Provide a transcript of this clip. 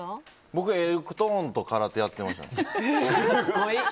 僕はエレクトーンと空手やってましたね。